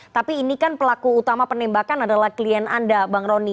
tapi ini kan pelaku utama penembakan adalah klien anda bang roni